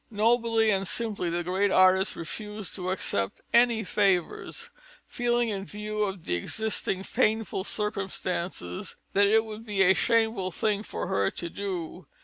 Nobly and simply the great artist refused to accept any favours, feeling, in view of the existing painful circumstances, that it would be a shameful thing for her to do.